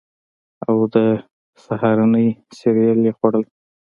او د سهارنۍ سیریل یې خوړل